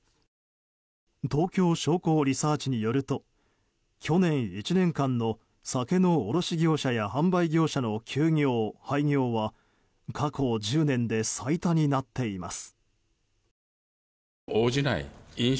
東京商工リサーチによると去年１年間の酒の卸業者や販売業者の休業・廃業は過去１０年で最多になっています。